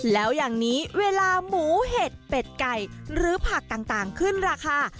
แล้วอย่างนี้เวลาหมูเห็ดเป็ดไก่หรือผักต่างขึ้นราคา